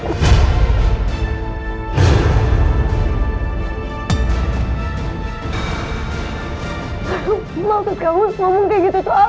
jadi kalau kamu enggak mau dicintain sama mas akmal